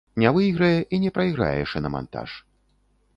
Не выйграе і не прайграе шынамантаж.